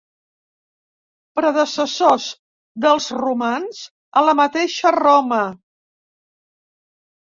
Predecessors dels romans a la mateixa Roma.